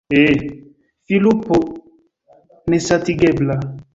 fi, lupo nesatigebla!